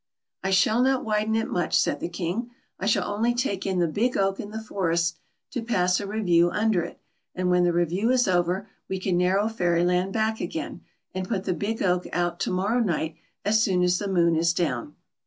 " I shall not widen it much," said the King, " I shall only take in the big oak in the forest to pass a review under it, and when the review is over, we can narrow Fairyland back again, and put the big oak out to morrow night as soon as the moon is down."